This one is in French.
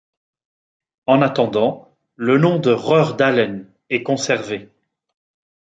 En attendant, le nom de Roerdalen est conservé.